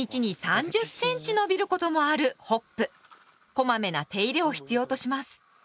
こまめな手入れを必要とします。